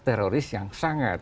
teroris yang sangat